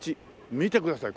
見てください